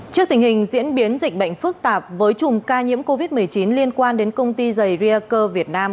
trước tình hình diễn biến dịch bệnh phức tạp với chùm ca nhiễm covid một mươi chín liên quan đến công ty dày rear co việt nam